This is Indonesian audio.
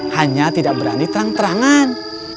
hanya tidak berani terang terangan